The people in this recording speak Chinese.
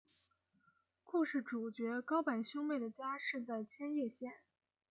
故事主角高坂兄妹的家是在千叶县。